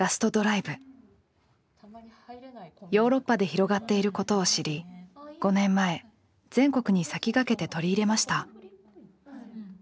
ヨーロッパで広がっていることを知り５年前全国に先駆けて取り入れました。